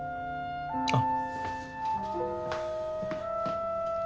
あっ。